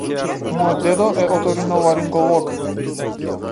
Мојот дедо е оториноларинголог.